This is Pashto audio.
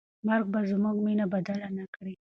مرګ به زموږ مینه بدله نه کړي.